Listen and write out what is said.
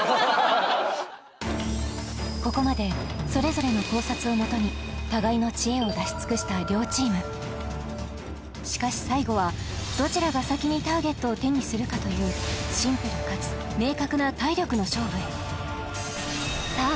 ここまでそれぞれの考察をもとに互いの知恵を出し尽くした両チームしかし最後はどちらが先にターゲットを手にするかというシンプルかつ明確な体力の勝負へさあ